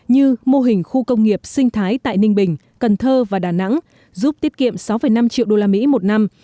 như mô hình khu công nghiệp sinh thái tại ninh bình cần thơ và đà nẵng giúp tiết kiệm sáu năm triệu usd một năm